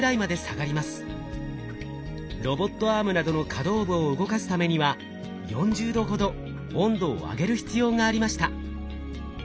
ロボットアームなどの可動部を動かすためには４０℃ほど温度を上げる必要がありました。